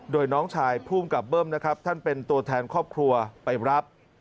โดยน้องชายภูมิกับเบิ้มนะครับท่านเป็นตัวแทนครอบครัวไปรับ